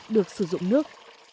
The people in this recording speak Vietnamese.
được sử dụng nước